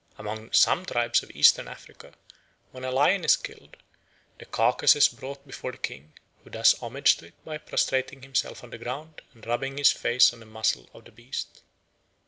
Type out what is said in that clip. Amongst some tribes of Eastern Africa, when a lion is killed, the carcase is brought before the king, who does homage to it by prostrating himself on the ground and rubbing his face on the muzzle of the beast.